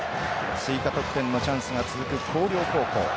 追加得点のチャンスが続く広陵高校。